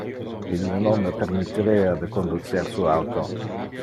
Ille non me permitterea de conducer su auto.